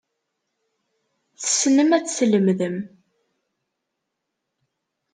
Tessnem ad teslemdem.